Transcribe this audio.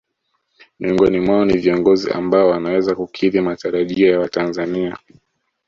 Miongoni mwao ni viongozi ambao wanaweza kukidhi matarajio ya watanzania